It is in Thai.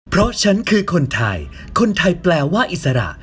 เพราะฉันคือคนไทยคนไทยแปลว่าอิสระ